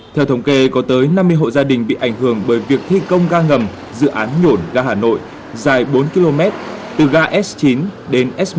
theo thống kê có tới năm mươi hộ gia đình bị ảnh hưởng bởi việc thi công ga ngầm dự án nhổn ga hà nội dài bốn km từ ga s chín đến s